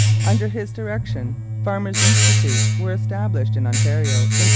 Under his direction farmers' institutes were established in Ontario in 1884.